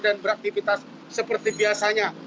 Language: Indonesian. dan beraktivitas seperti biasanya